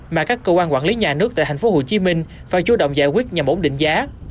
mà các cơ quan quản lý nhà nước tại thành phố hồ chí minh phải chú động giải quyết nhằm ổn định giá